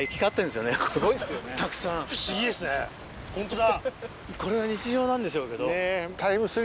ホントだ。